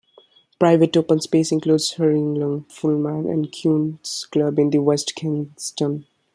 Private open space includes Hurlingham, Fulham and Queen's Club in West Kensington.